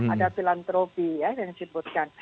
ada filantropi ya yang disebutkan